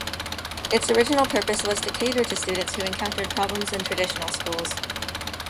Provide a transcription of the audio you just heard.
Its original purpose was to cater to students who encountered problems in traditional schools.